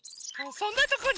そんなとこに。